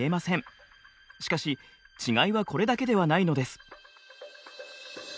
しかし違いはこれだけではないのです。